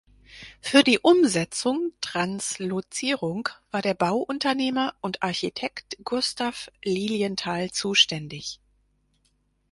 Für die Umsetzung (Translozierung) war der Bauunternehmer und Architekt Gustav Lilienthal zuständig.